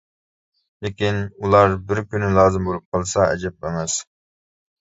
لېكىن ئۇلار بىر كۈنى لازىم بولۇپ قالسا ئەجەب ئەمەس.